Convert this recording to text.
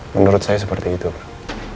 menurut saya seperti itu pak